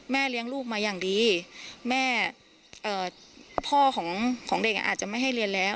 เลี้ยงลูกมาอย่างดีแม่พ่อของเด็กอาจจะไม่ให้เรียนแล้ว